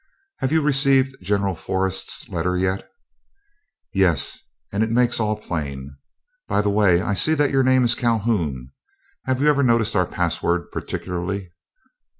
Have you received General Forrest's letter yet?" "Yes, and it makes all plain. By the way, I see that your name is Calhoun. Have you ever noticed our password particularly?"